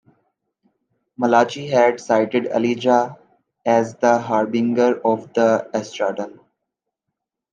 Malachi had cited Elijah as the harbinger of the eschaton.